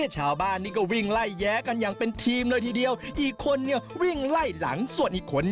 ชาวบ้านนี่ก็วิ่งไล่แยะกันอย่างเป็นทีมเลยทีเดียว